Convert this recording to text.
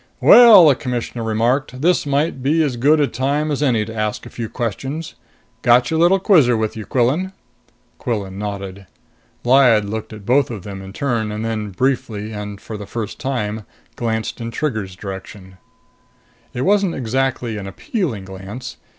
"Well," the Commissioner remarked, "this might be as good a time as any to ask a few questions. Got your little quizzer with you, Quillan?" Quillan nodded. Lyad looked at both of them in turn and then, briefly and for the first time, glanced in Trigger's direction. It wasn't exactly an appealing glance.